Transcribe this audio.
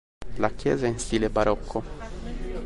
La chiesa è in stile barocco.